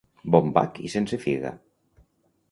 Bon bac i sense figa.